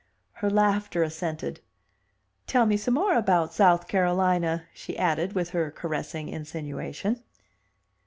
Her laughter assented. "Tell me some more about South Carolina," she added with her caressing insinuation.